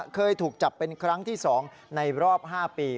เคยถูกจับเป็นครั้งที่๒ในรอบ๕ปี